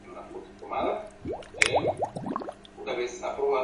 Muchos han sido los trabajos sobre su obra.